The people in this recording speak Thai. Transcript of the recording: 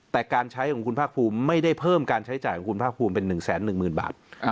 แต่การใช้ของคุณภาคภูมิไม่ได้เพิ่มการใช้จ่ายของคุณภาคภูมิเป็น๑๑๐๐๐บาท